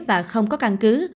và không có căn cứ